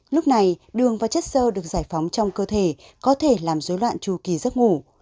lúc này đường và chất sơ được giải phóng trong cơ thể có thể làm dối loạn tru kỳ giấc ngủ